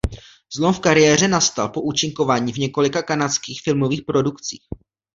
Zlom v kariéře nastal po účinkování v několika kanadských filmových produkcích.